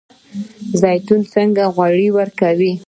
زیتون څنګه غوړي ورکوي؟